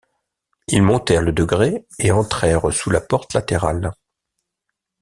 Ils montèrent le degré, et entrèrent sous la porte latérale.